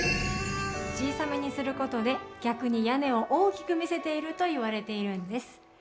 小さめにすることで逆に屋根を大きく見せていると言われているんです。